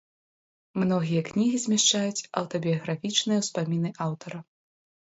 Многія кнігі змяшчаюць аўтабіяграфічныя ўспаміны аўтара.